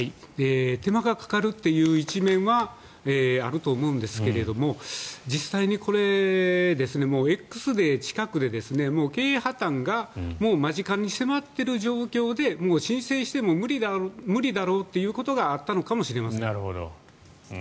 手間がかかるという一面はあると思うんですけれども実際にこれ、Ｘデーが近くてもう経営破たんが間近に迫っている状況でもう申請しても無理だろうということがあったのかもしれません。